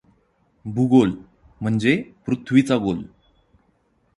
भूगोल म्हणजे पृथ्वीचा गोल.